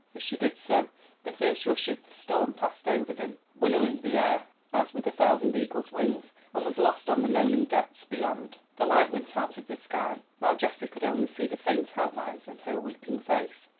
As she did so, the first rush of the storm passed over them, winnowing the air as with a thousand eagles' wings, and was lost on the moaning depths beyond. The light went out of the sky. Now Geoffrey could only see the faint outlines of her weeping face.